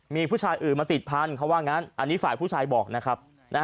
มีผู้ชายอื่นมาติดพันธุ์ว่างั้นอันนี้ฝ่ายผู้ชายบอกนะครับ